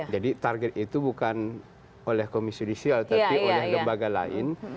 jadi target itu bukan oleh komisi yudisial tapi oleh lembaga lain